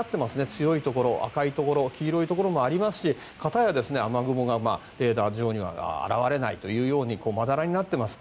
強いところ、赤いところ黄色いところもありますし片や雨雲がレーダー上には現れないというようにまだらになっています。